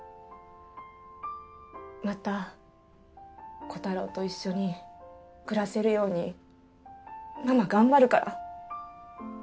またコタローと一緒に暮らせるようにママ頑張るから。